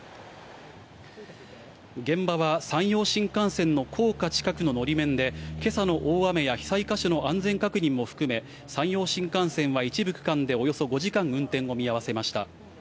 現場は山陽新幹線の高架近くののり面で、けさの大雨や被災箇所の安全確認も含め、山陽新幹線は一部区間でおよそ５時間運転を見合わせました。